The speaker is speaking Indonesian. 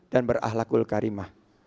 dan berahlakul karimah